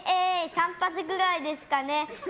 ３発ぐらいですかね。